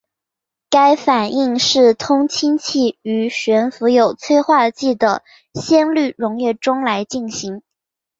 该反应是通氢气于悬浮有催化剂的酰氯溶液中来进行。